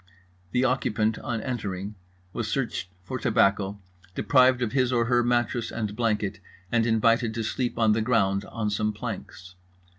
The occupant on entering was searched for tobacco, deprived of his or her mattress and blanket, and invited to sleep on the ground on some planks.